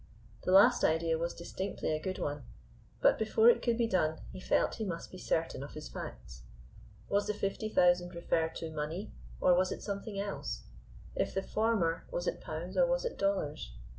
The last idea was distinctly a good one. But, before it could be done, he felt he must be certain of his facts. Was the fifty thousand referred to money or was it something else? If the former, was it pounds or was it dollars?